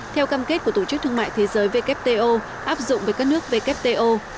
theo cam kết của tổ chức thương mại thế giới wto áp dụng với các nước wto